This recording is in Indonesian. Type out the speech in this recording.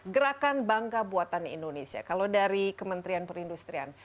gerakan bangga buatan indonesia kalau dari kementerian perindustrian